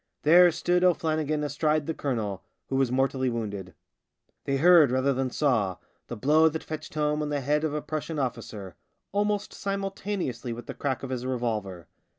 There stood O'Flannigan astride the colonel, who was mortally wounded. They heard rather than saw the blow that fetched home on the head of a Prussian officer — almost simul taneously with the crack of his revolver.